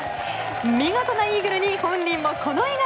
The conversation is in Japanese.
見事なイーグルに本人もこの笑顔。